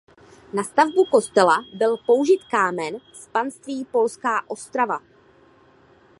Na stavbu kostela byl použit kámen z panství Polská Ostrava.